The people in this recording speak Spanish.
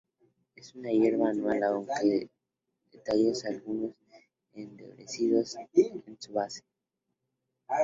Es una hierba anual, aunque de tallos algo endurecidos en su base.